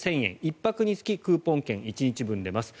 １泊につきクーポン券１日分出ます。